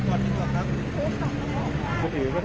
ขั้นสี่ทีเพิ่มเข้าไปซักชีวิต